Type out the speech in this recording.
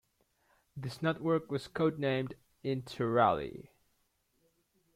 This network was code-named "Interallie".